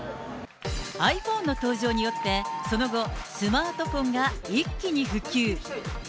ｉＰｈｏｎｅの登場によって、その後、スマートフォンが一気に普及。